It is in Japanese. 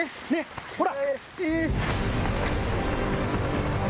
ほら。